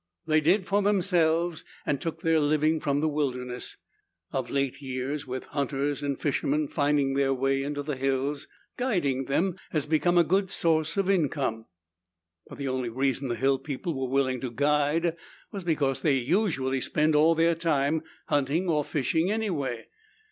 They did for themselves and took their living from the wilderness. Of late years, with hunters and fishermen finding their way into the hills, guiding them had become a good source of income. But the only reason the hill people were willing to guide was because they usually spent all their time hunting or fishing anyway.